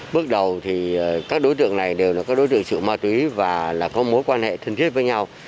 bước đầu thì các đối tượng này đều là các đối tượng sự ma túy và là có mối quan hệ thân thiết với nhau